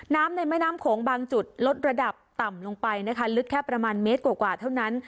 ในแม่น้ำโขงบางจุดลดระดับต่ำลงไปนะคะลึกแค่ประมาณเมตรกว่าเท่านั้น